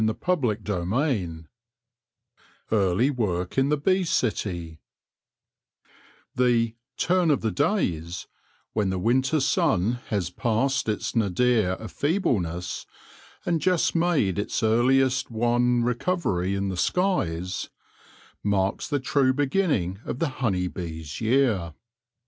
CHAPTER VI EARLY WORK IN THE BEE CITY THE " turn of the days," when the winter sun has passed its nadir of feebleness and just made its earliest wan recovery in the skies, marks the true beginning of the honey bee's year.